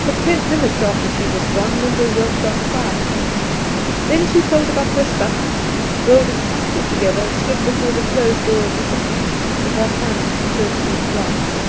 For ten minutes after she was gone Lyndall worked on quietly; then she folded up her stuff, rolled it tightly together, and stood before the closed door of the sitting room with her hands closely clasped.